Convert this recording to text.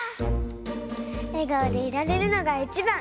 えがおでいられるのがいちばん！